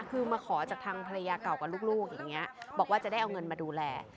คือมาขอจากทางภรรยาเก่ากับลูกอย่างนี้บอกว่าจะได้เอาเงินมาดูแล